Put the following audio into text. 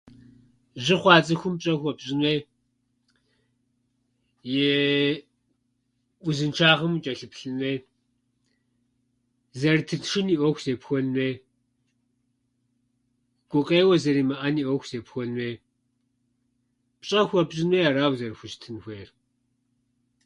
Жьы хъуа цӏыхум пщӏэ хуэпщӏын хуей, ии узыншагъэм учӏэлъыплъын хуей, зэрытыншын и ӏуэху зепхуэн хуей, гукъеуэ зэримыӏэн и ӏуэху зепхуэн хуей, пщӏэ хуэпщӏын хуей. Ара узэрыхущытын хуейр.